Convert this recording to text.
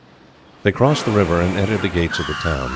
They crossed the river and entered the gates of the town.